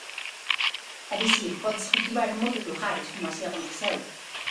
É dicir, pódese cultivar en moitos lugares, como así aconteceu.